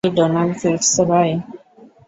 ওটা কি Donald Fitzroy?